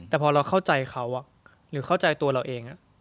แต่พอเราเข้าใจเขาหรือเข้าใจตัวเราเอง